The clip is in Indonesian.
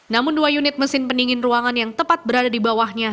namun dua unit mesin pendingin ruangan yang tepat berada di bawahnya